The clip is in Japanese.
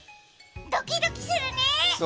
ドキドキするねー。